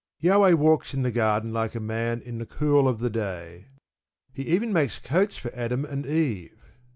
Jahweh walks in the garden like a man in the cool of the day. He even makes coats for Adam and Eve.